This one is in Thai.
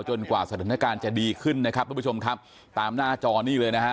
กว่าสถานการณ์จะดีขึ้นนะครับทุกผู้ชมครับตามหน้าจอนี้เลยนะฮะ